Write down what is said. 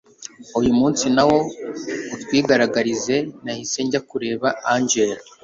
uyu munsi nawo utwigaragarize nahise njya kureba angel